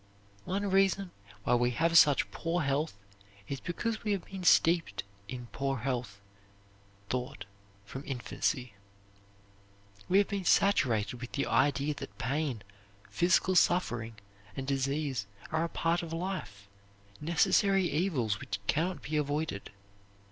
One reason why we have such poor health is because we have been steeped in poor health thought from infancy. We have been saturated with the idea that pain, physical suffering, and disease, are a part of life; necessary evils which can not be avoided.